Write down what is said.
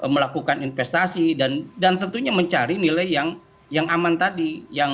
melakukan investasi dan tentunya mencari nilai yang aman tadi